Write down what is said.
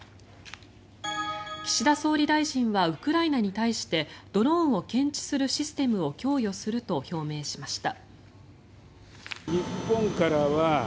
岸田総理大臣はウクライナに対してドローンを検知するシステムを供与すると表明しました。